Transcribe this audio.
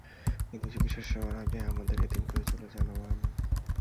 কিন্তু চিকিৎসা শেষ হওয়ার আগেই আমাদের এতিম করে চলে যান আমার আম্মা।